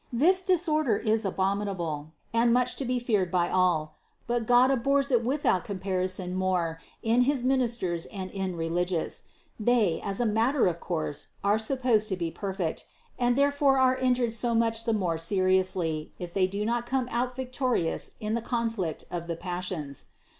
This disorder is abominable and much to be feared by all ; but God abhors it without comparison more in his minis ters and in religious : they, as a matter of course, are sup posed to be perfect, and therefore are injured so much the more seriously, if they do not come out victorious in the conflict of the passions.